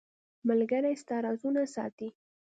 • ملګری ستا رازونه ساتي.